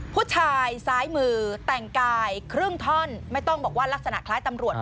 ผู้ชายซ้ายมือแต่งกายครึ่งท่อนไม่ต้องบอกว่าลักษณะคล้ายตำรวจ